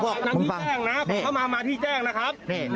กำลังไปแจ้งนะขอเข้ามามาที่แจ้งนะครับ